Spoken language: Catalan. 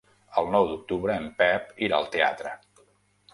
El nou d'octubre en Pep irà al teatre.